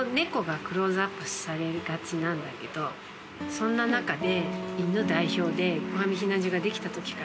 そんな中で。